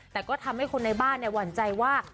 แต่ก็ทำให้คนในบ้านหวั่นใจว่า